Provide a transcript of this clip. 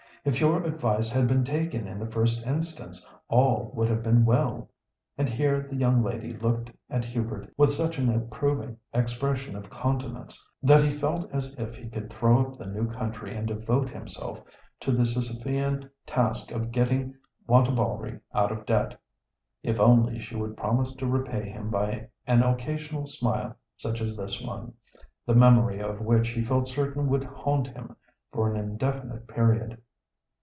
If your advice had been taken in the first instance, all would have been well." And here the young lady looked at Hubert with such an approving expression of countenance, that he felt as if he could throw up the new country and devote himself to the Sisyphean task of getting Wantabalree out of debt, if only she would promise to repay him by an occasional smile such as this one, the memory of which he felt certain would haunt him for an indefinite period.